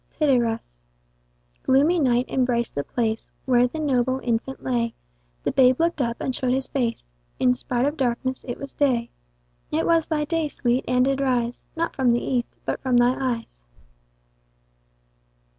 Tityrus. Gloomy night embrac'd the place Where the noble infant lay: The babe looked up, and show'd his face, In spite of darkness it was day. It was thy day, Sweet, and did rise, Not from the east, but from thy eyes.